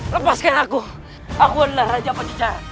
lepaskan aku aku adalah raja pak jijal